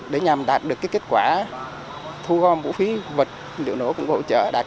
để nhằm đạt được kết quả để nhằm đạt được kết quả để nhằm đạt được kết quả để nhằm đạt được